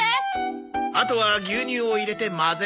あとは牛乳を入れて混ぜるだけだ。